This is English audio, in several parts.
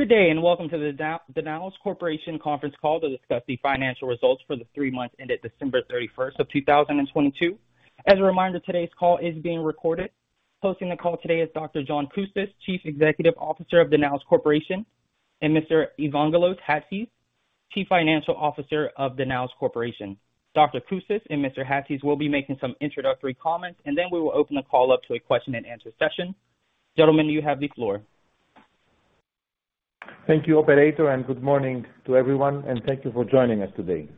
Good day, welcome to the Danaos Corporation conference call to discuss the financial results for the three months ended December 31st of 2022. As a reminder, today's call is being recorded. Hosting the call today is Dr. John Coustas, Chief Executive Officer of Danaos Corporation, and Mr. Evangelos Chatzis, Chief Financial Officer of Danaos Corporation. Dr. Coustas and Mr. Chatzis will be making some introductory comments, then we will open the call up to a question-and-answer session. Gentlemen, you have the floor. Thank you, operator, good morning to everyone, and thank you for joining us today.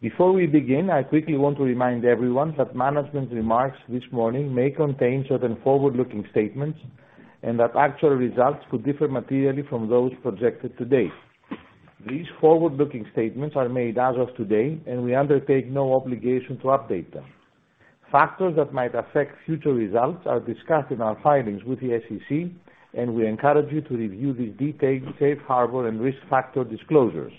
Before we begin, I quickly want to remind everyone that management remarks this morning may contain certain forward-looking statements and that actual results could differ materially from those projected today. These forward-looking statements are made as of today, and we undertake no obligation to update them. Factors that might affect future results are discussed in our filings with the SEC, and we encourage you to review the detailed safe harbor and risk factor disclosures.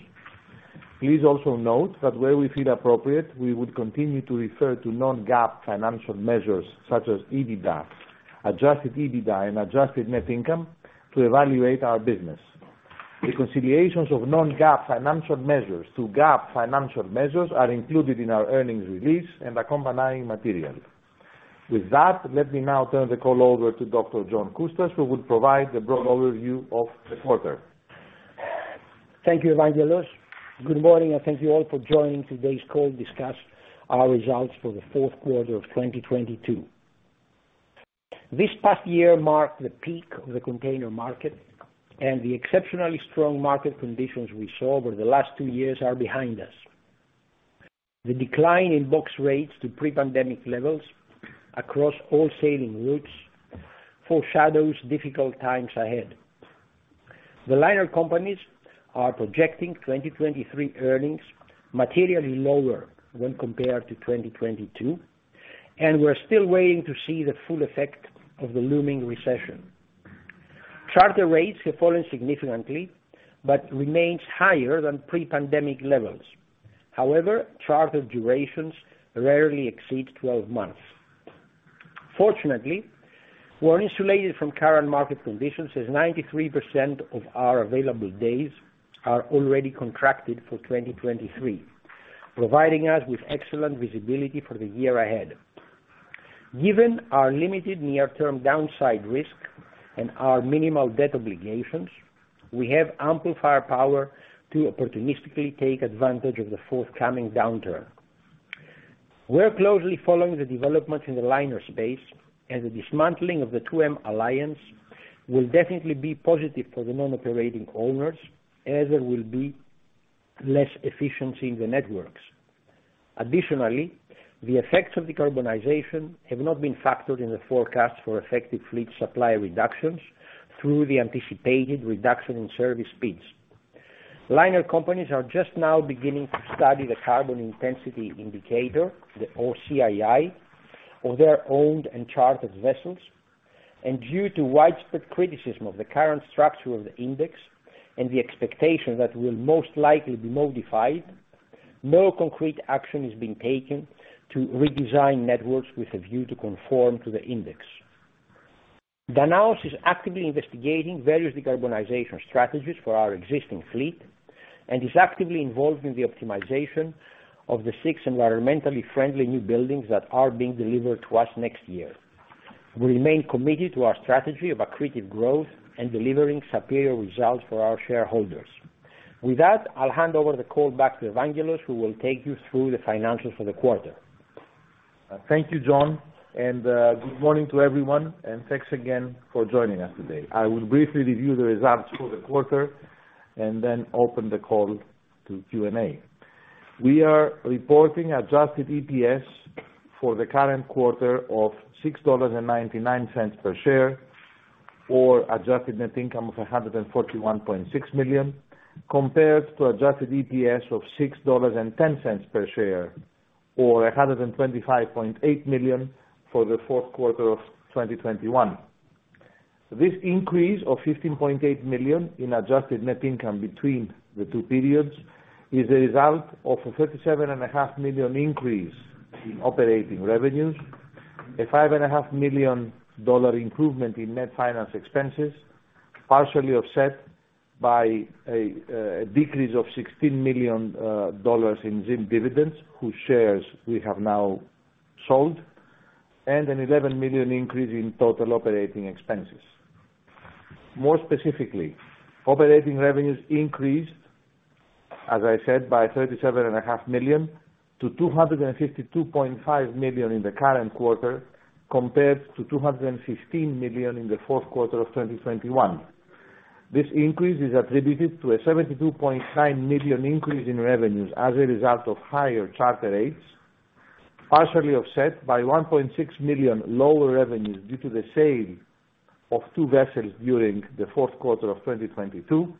Please also note that where we feel appropriate, we would continue to refer to non-GAAP financial measures, such as EBITDA, adjusted EBITDA, and adjusted net income to evaluate our business. The reconciliations of non-GAAP financial measures to GAAP financial measures are included in our earnings release and accompanying materials. With that, let me now turn the call over to Dr. John Coustas, who will provide the broad overview of the quarter. Thank you, Evangelos. Good morning, and thank you all for joining today's call to discuss our results for the fourth quarter of 2022. This past year marked the peak of the container market. The exceptionally strong market conditions we saw over the last two years are behind us. The decline in box rates to pre-pandemic levels across all sailing routes foreshadows difficult times ahead. The liner companies are projecting 2023 earnings materially lower when compared to 2022, and we're still waiting to see the full effect of the looming recession. Charter rates have fallen significantly but remains higher than pre-pandemic levels. However, charter durations rarely exceed 12 months. Fortunately, we're insulated from current market conditions, as 93% of our available days are already contracted for 2023, providing us with excellent visibility for the year ahead. Given our limited near-term downside risk and our minimal debt obligations, we have ample firepower to opportunistically take advantage of the forthcoming downturn. We're closely following the developments in the liner space, the dismantling of the 2M Alliance will definitely be positive for the non-operating owners as there will be less efficiency in the networks. Additionally, the effects of decarbonization have not been factored in the forecast for effective fleet supply reductions through the anticipated reduction in service speeds. Liner companies are just now beginning to study the Carbon Intensity Indicator, the CII, of their owned and chartered vessels, due to widespread criticism of the current structure of the index and the expectation that will most likely be modified, no concrete action is being taken to redesign networks with a view to conform to the index. Danaos is actively investigating various decarbonization strategies for our existing fleet and is actively involved in the optimization of the six environmentally friendly new buildings that are being delivered to us next year. We remain committed to our strategy of accretive growth and delivering superior results for our shareholders. With that, I'll hand over the call back to Evangelos, who will take you through the financials for the quarter. Thank you, John, good morning to everyone, and thanks again for joining us today. I will briefly review the results for the quarter and then open the call to Q&A. We are reporting adjusted EPS for the current quarter of $6.99 per share or adjusted net income of $141.6 million, compared to adjusted EPS of $6.10 per share or $125.8 million for the fourth quarter of 2021. This increase of $15.8 million in adjusted net income between the two periods is a result of a $thirty-seven and a half million increase in operating revenues, a five and a half million dollar improvement in net finance expenses, partially offset by a decrease of $16 million dollars in ZIM dividends, whose shares we have now sold, and an $11 million increase in total operating expenses. More specifically, operating revenues increased, as I said, by $thirty-seven and a half million to $252.5 million in the current quarter compared to $215 million in the fourth quarter of 2021. This increase is attributed to a $72.9 million increase in revenues as a result of higher charter rates, partially offset by $1.6 million lower revenues due to the sale of two vessels during the fourth quarter of 2022,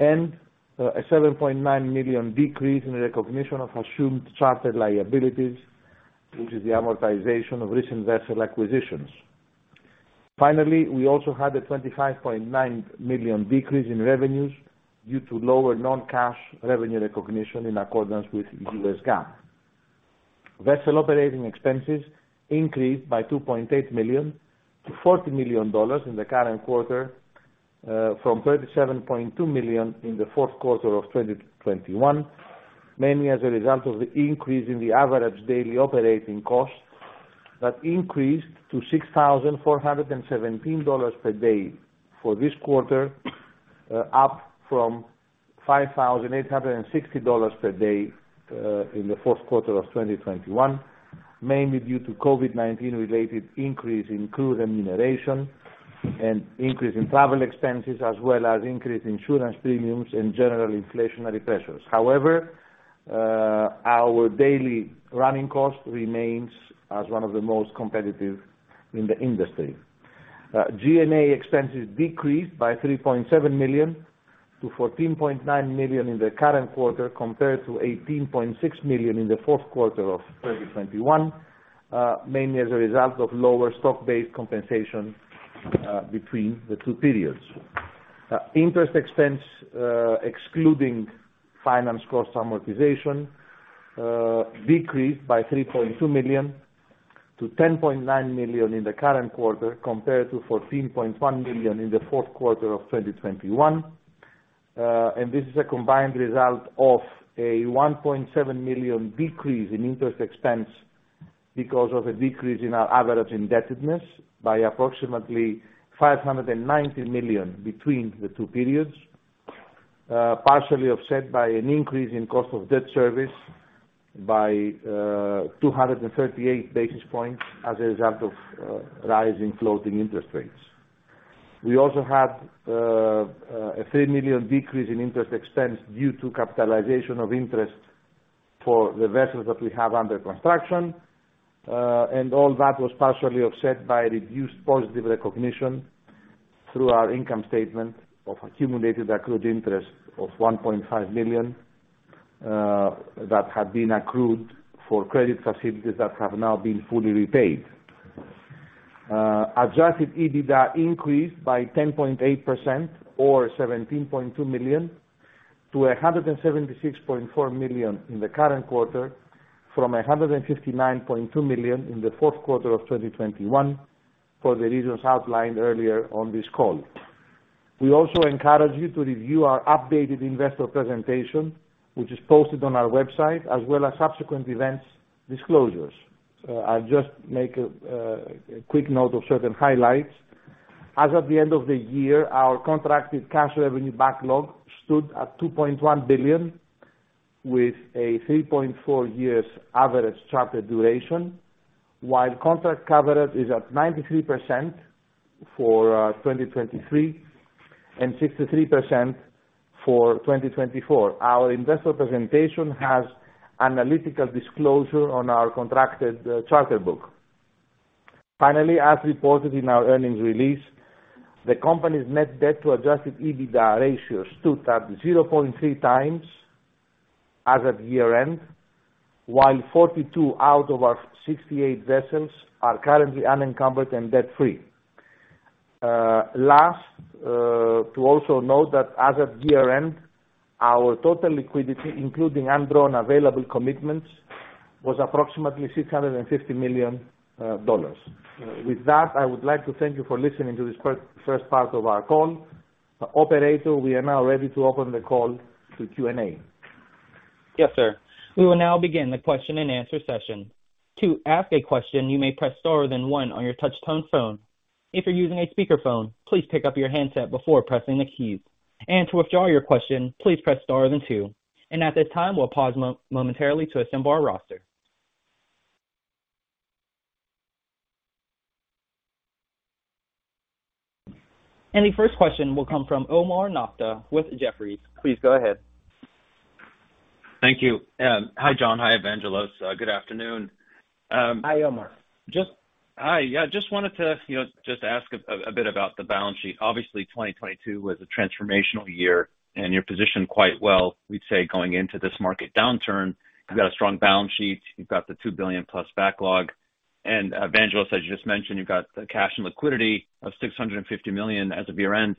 and a $7.9 million decrease in the recognition of assumed charter liabilities, which is the amortization of recent vessel acquisitions. Finally, we also had a $25.9 million decrease in revenues due to lower non-cash revenue recognition in accordance with U.S. GAAP. Vessel operating expenses increased by $2.8 million to $40 million in the current quarter, from $37.2 million in the fourth quarter of 2021. Mainly as a result of the increase in the average daily operating costs that increased to $6,417 per day for this quarter, up from $5,860 per day, in the fourth quarter of 2021, mainly due to COVID-19 related increase in crew remuneration and increase in travel expenses, as well as increased insurance premiums and general inflationary pressures. However, our daily running cost remains as one of the most competitive in the industry. G&A expenses decreased by $3.7 million to $14.9 million in the current quarter compared to $18.6 million in the fourth quarter of 2021, mainly as a result of lower stock-based compensation between the two periods. Interest expense, excluding finance cost amortization, decreased by $3.2 million to $10.9 million in the current quarter compared to $14.1 million in the fourth quarter of 2021. This is a combined result of a $1.7 million decrease in interest expense because of a decrease in our average indebtedness by approximately $590 million between the two periods, partially offset by an increase in cost of debt service by 238 basis points as a result of rise in floating interest rates. million decrease in interest expense due to capitalization of interest for the vessels that we have under construction. All that was partially offset by reduced positive recognition through our income statement of accumulated accrued interest of $1.5 million that had been accrued for credit facilities that have now been fully repaid. Adjusted EBITDA increased by 10.8% or $17.2 million to $176.4 million in the current quarter from $159.2 million in the fourth quarter of 2021 for the reasons outlined earlier on this call. We also encourage you to review our updated investor presentation, which is posted on our website as well as subsequent events disclosures. I'll just make a quick note of certain highlights As at the end of the year, our contracted cash revenue backlog stood at $2.1 billion, with a 3.4 years average charter duration, while contract coverage is at 93% for 2023 and 63% for 2024. Our investor presentation has analytical disclosure on our contracted charter book. Finally, as reported in our earnings release, the company's net debt to adjusted EBITDA ratio stood at 0.3 times as of year-end, while 42 out of our 68 vessels are currently unencumbered and debt-free. Last, to also note that as of year-end, our total liquidity, including undrawn available commitments, was approximately $650 million. With that, I would like to thank you for listening to this first part of our call. Operator, we are now ready to open the call to Q&A. Yes, sir. We will now begin the question-and-answer session. To ask a question, you may press star then one on your touch tone phone. If you're using a speakerphone, please pick up your handset before pressing the key. To withdraw your question, please press star then two. At this time, we'll pause momentarily to assemble our roster. The first question will come from Omar Nokta with Jefferies. Please go ahead. Thank you. Hi, John. Hi, Evangelos. Good afternoon. Hi, Omar. Hi. Yeah, just wanted to just ask a bit about the balance sheet. Obviously, 2022 was a transformational year, and you're positioned quite well, we'd say, going into this market downturn. You've got a strong balance sheet. You've got the $2 billion plus backlog. Evangelos, as you just mentioned, you've got the cash and liquidity of $650 million as of year-end.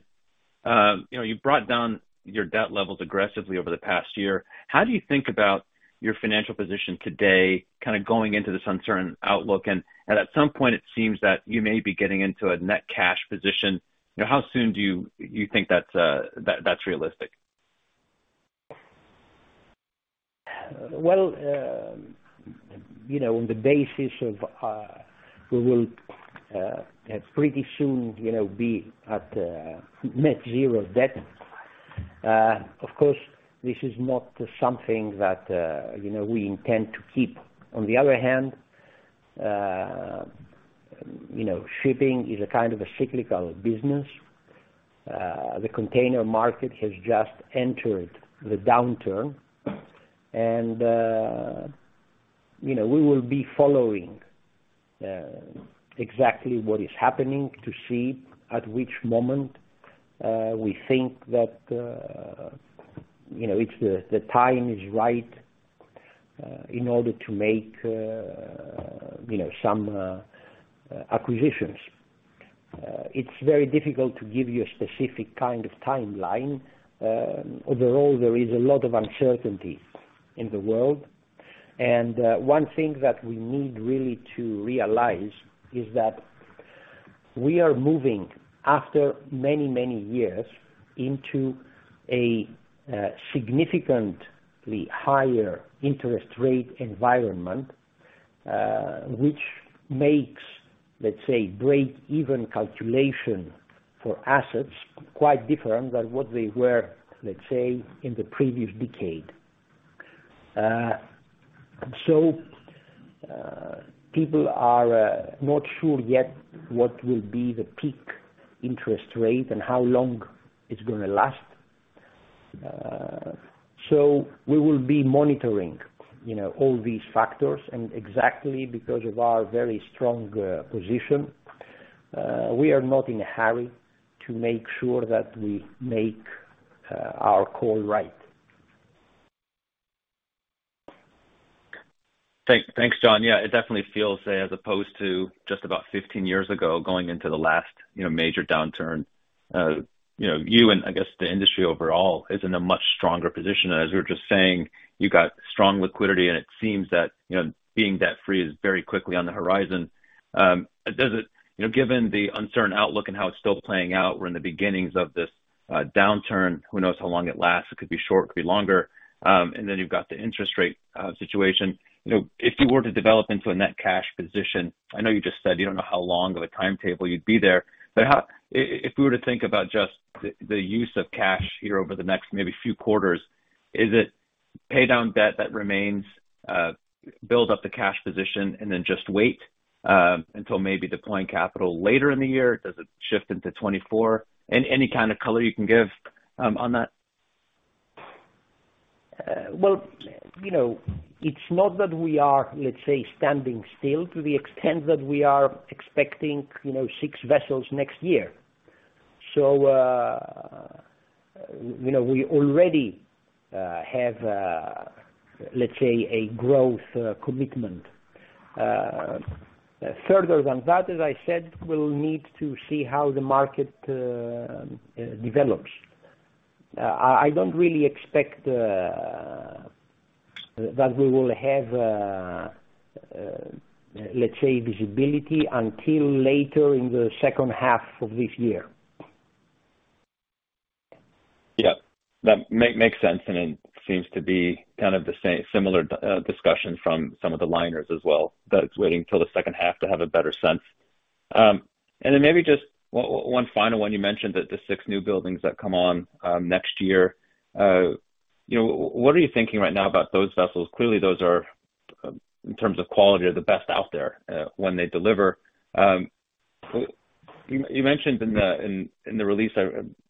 You brought down your debt levels aggressively over the past year. How do you think about your financial position today, kind of going into this uncertain outlook? At some point, it seems that you may be getting into a net cash position. How soon do you think that's realistic? Well, you know, on the basis of, we will pretty soon, you know, be at net zero debt. Of course, this is not something that we intend to keep. On the other hand, you know, shipping is a kind of a cyclical business. The container market has just entered the downturn, and we will be following exactly what is happening to see at which moment, we think that it's the time is right, in order to make some acquisitions. It's very difficult to give you a specific kind of timeline. Overall, there is a lot of uncertainty in the world. One thing that we need really to realize is that we are moving after many, many years into a significantly higher interest rate environment, which makes, let's say, break-even calculation for assets quite different than what they were, let's say, in the previous decade. People are not sure yet what will be the peak interest rate and how long it's gonna last. We will be monitoring all these factors. Exactly because of our very strong position, we are not in a hurry to make sure that we make our call right. Thanks, John. Yeah, it definitely feels, as opposed to just about 15 years ago, going into the last, you know, major downturn. You and I guess the industry overall is in a much stronger position. As you were just saying, you got strong liquidity, and it seems that, you know, being debt-free is very quickly on the horizon. Does it... You know, given the uncertain outlook and how it's still playing out, we're in the beginnings of this downturn. Who knows how long it lasts? It could be short, it could be longer. You've got the interest rate situation. You know, if you were to develop into a net cash position, I know you just said you don't know how long of a timetable you'd be there, but how... If we were to think about just the use of cash here over the next maybe few quarters, is it pay down debt that remains, build up the cash position and then just wait, until maybe deploying capital later in the year? Does it shift into 2024? Any, any kind of color you can give on that? Well, you know, it's not that we are, let's say, standing still to the extent that we are expecting six vessels next year. We already have, let's say, a growth commitment. Further than that, as I said, we'll need to see how the market develops. I don't really expect that we will have, let's say, visibility until later in the second half of this year. Yeah, that makes sense, and it seems to be kind of the same discussion from some of the liners as well, that it's waiting till the second half to have a better sense. Then maybe just one final one. You mentioned that the six new buildings that come on next year. What are you thinking right now about those vessels? Clearly those are, in terms of quality, are the best out there when they deliver. You mentioned in the release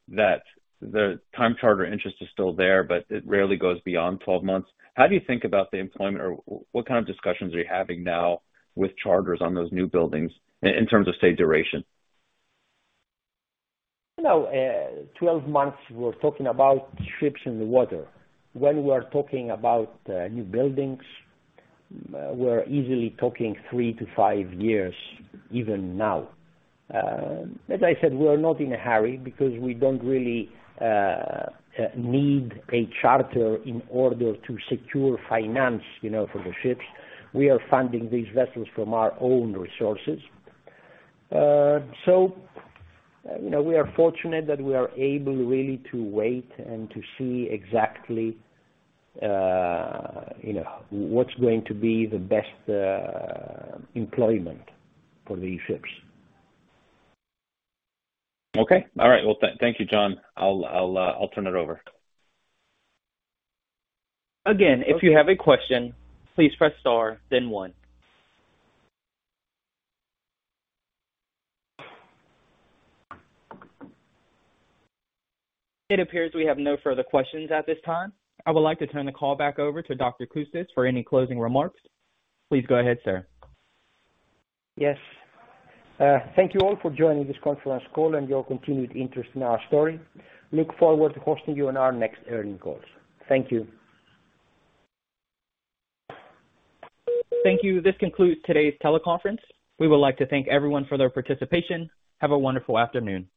that the time charter interest is still there, but it rarely goes beyond 12 months. How do you think about the employment or what kind of discussions are you having now with charters on those new buildings in terms of, say, duration? You know, 12 months, we're talking about ships in the water. When we are talking about new buildings, we're easily talking three to five years even now. As I said, we are not in a hurry because we don't really need a charter in order to secure finance for the ships. We are funding these vessels from our own resources. We are fortunate that we are able really to wait and to see exactly, you know, what's going to be the best employment for these ships. Okay. All right. Well, thank you, John. I'll turn it over. Again, if you have a question, please press star then one. It appears we have no further questions at this time. I would like to turn the call back over to Dr. Coustas for any closing remarks. Please go ahead, sir. Yes. Thank you all for joining this conference call and your continued interest in our story. Look forward to hosting you on our next earnings calls. Thank you. Thank you. This concludes today's teleconference. We would like to thank everyone for their participation. Have a wonderful afternoon.